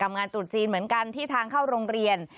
งานตรุษจีนเหมือนกันที่ทางเข้าโรงเรียน